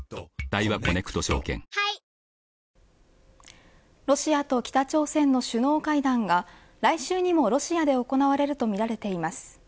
わかるぞロシアと北朝鮮の首脳会談が来週にもロシアで行われるとみられています。